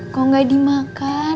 kok nggak dimakan